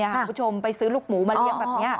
คุณผู้ชมไปซื้อลูกหมูมาเลี้ยงแบบนี้